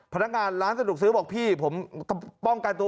พนักงานร้านสะดวกซื้อบอกพี่ผมป้องกันตัว